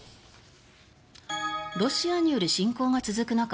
ロシアによる侵攻が続く中